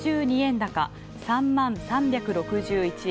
高、３万３６３円。